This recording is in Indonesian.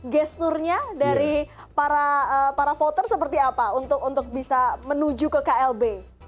gesturnya dari para voter seperti apa untuk bisa menuju ke klb